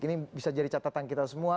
ini bisa jadi catatan kita semua